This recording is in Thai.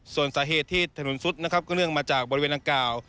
ส่วนสาเหตุที่ถนนซุดนะครับก็เนื่องมาจากบริเวณดังกล่าว